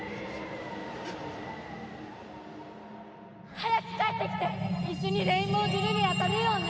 「早く帰ってきて一緒にレインボージュルリラ食べようね！」